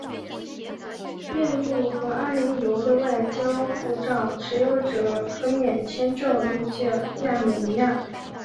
印度和阿联酋的外交护照持有者可免签证入境亚美尼亚。